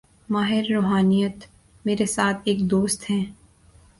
ماہر روحانیات: میرے ساتھ ایک دوست ہیں۔